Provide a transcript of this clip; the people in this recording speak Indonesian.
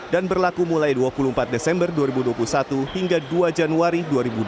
dan berlaku mulai dua puluh empat desember dua ribu dua puluh satu hingga dua januari dua ribu dua puluh dua